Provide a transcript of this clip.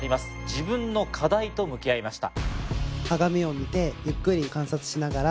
自分の課題と向き合いました。